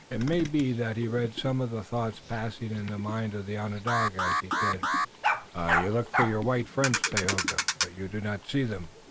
It may be that he read some of the thoughts passing in the mind of the Onondaga, as he said: "You look for your white friends, Tayoga, but you do not see them.